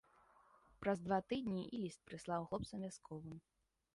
Праз два тыдні і ліст прыслаў хлопцам вясковым.